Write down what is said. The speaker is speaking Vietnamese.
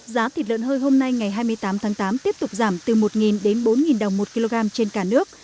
giá thịt lợn hơi hôm nay ngày hai mươi tám tháng tám tiếp tục giảm từ một đến bốn đồng một kg trên cả nước